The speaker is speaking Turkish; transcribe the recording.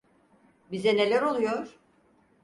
Bize neler oluyor?